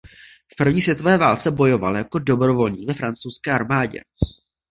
V první světové válce bojoval jako dobrovolník ve francouzské armádě.